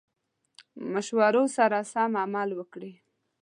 مشورو سره سم عمل وکړي.